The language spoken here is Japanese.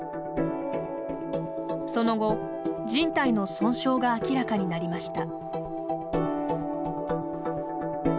その後、じん帯の損傷が明らかになりました。